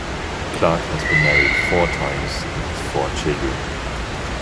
Clark has been married four times and has four children.